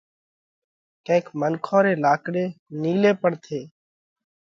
ڪينڪ منکون ري لاڪڙي نِيلي پڻ ٿي